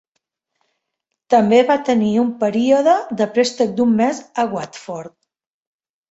També va tenir un període de préstec d'un mes a Watford.